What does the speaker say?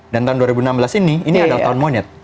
dan tahun dua ribu enam belas ini ini adalah tahun monyet